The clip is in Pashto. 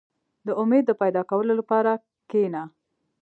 • د امید د پیدا کولو لپاره کښېنه.